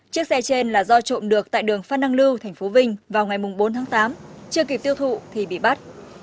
chiếc xe trên là do trộm được tại đường phan đăng lưu tp vinh vào ngày bốn tháng tám chưa kịp tiêu thụ thì bị bắt